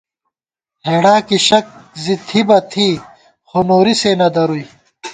ہېڑا کی شک زی تھی بہ تھی، خو نوری سے نہ درُوئی